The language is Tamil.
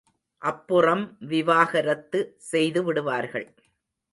அப்புறம் விவாகரத்து செய்துவிடுவார்கள்.